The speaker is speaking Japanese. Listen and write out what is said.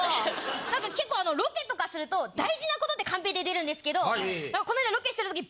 なんか結構あのロケとかすると大事なことってカンペで出るんですけどなんかこのあいだ。